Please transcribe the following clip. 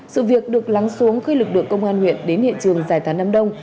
sự việc được lắng xuống khi lực lượng công an huyện đến hiện trường giải thán nam đông